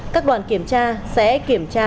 các đoàn kiểm tra sẽ kiểm tra